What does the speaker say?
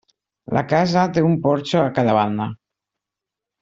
La casa té un porxo a cada banda.